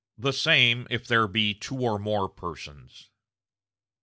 The same if there be two or more persons."